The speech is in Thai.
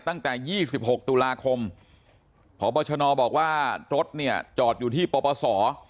ตั้งแต่๒๖ตุลาคมพบชนบอกว่ารถเนี่ยจอดอยู่ที่ปปศ